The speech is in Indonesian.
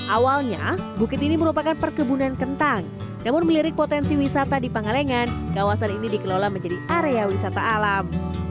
awalnya bukit ini merupakan perkebunan kentang namun melirik potensi wisata di pangalengan kawasan ini dikelola menjadi area wisata alam